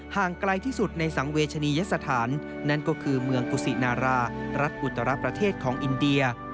ไกลที่สุดในสังเวชนียสถานนั่นก็คือเมืองกุศินารารัฐอุตรประเทศของอินเดีย